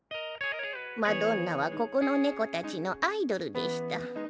マドンナはここの猫たちのアイドルでした。